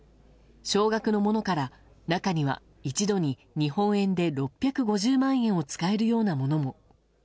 少額のものから中には一度に日本円で６５０万円を使えるようなものも。